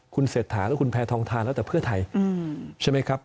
คุณเสร็จถาแล้วคุณแพทรทองทารอาจจะเพื่อไทยอืมใช่ไหมครับ